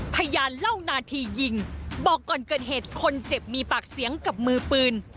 พยานเล่านาทียิงบอกก่อนเกิดเหตุคนเจ็บมีปากเสียงกับมือปืน